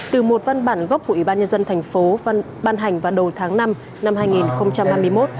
từ một văn bản gốc của ủy ban nhân dân thành phố ban hành vào đầu tháng năm năm hai nghìn hai mươi một